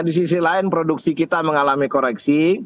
di sisi lain produksi kita mengalami koreksi